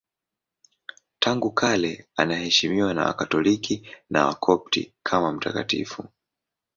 Tangu kale anaheshimiwa na Wakatoliki na Wakopti kama mtakatifu.